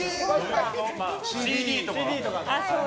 ＣＤとかの。